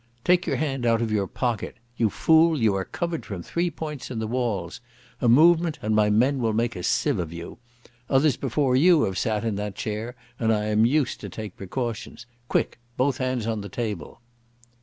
"Take your hand out of your pocket. You fool, you are covered from three points in the walls. A movement and my men will make a sieve of you. Others before you have sat in that chair, and I am used to take precautions. Quick. Both hands on the table."